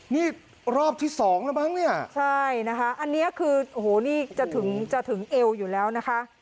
นี่รอบที่สองแล้วมั้งเนี่ยใช่นะคะอันนี้คือโอ้โหนี่จะถึงจะถึงเอวอยู่แล้วนะคะ